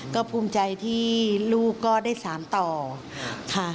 ก็ภูมิใจที่ลูกก็ได้สารต่อค่ะ